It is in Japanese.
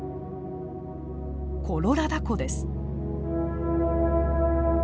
コロラダ湖です。